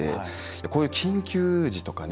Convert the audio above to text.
こういう緊急時とかね